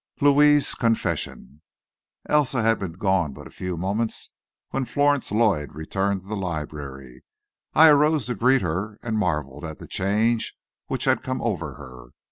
LOUIS'S CONFESSION Elsa had been gone but a few moments when Florence Lloyd returned to the library. I arose to greet her and marvelled at the change which had come over her.